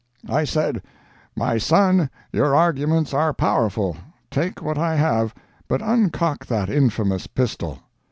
I said, "My son, your arguments are powerful—take what I have, but uncock that infamous pistol."